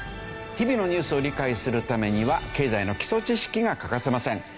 日々のニュースを理解するためには経済の基礎知識が欠かせません。